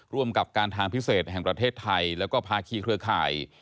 ร่วมกับการทางพิเศษแห่งประเทศไทยแล้วก็ภาคีเครือข่าย